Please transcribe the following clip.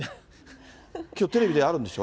きょうテレビであるんでしょ？